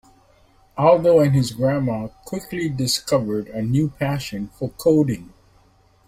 Aldo and his grandma quickly discovered a new passion for coding.